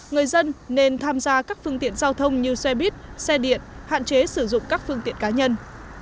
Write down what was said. người dân nên tham gia các phương tiện giao thông như xe buýt xe điện hạn chế sử dụng các phương tiện cá nhân